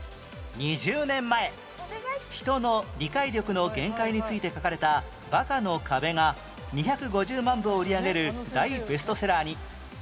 ２０年前人の理解力の限界について書かれた『バカの壁』が２５０万部を売り上げる大ベストセラーに